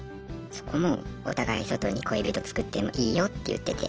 そこもお互い外に恋人作ってもいいよって言ってて。